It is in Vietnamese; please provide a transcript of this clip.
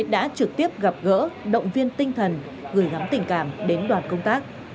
đã trực tiếp gặp gỡ động viên tinh thần gửi ngắm tình cảm đến đoàn công tác